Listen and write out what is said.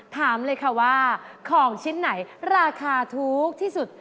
ถามเลยค่ะว่าของชิ้นไหนราคาถูกที่สุด